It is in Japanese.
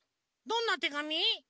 どんなてがみ？